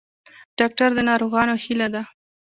ډاکټر د ناروغانو هیله ده